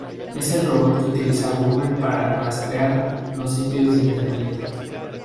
Es el robot que utiliza Google para 'rastrear' los sitios de Internet.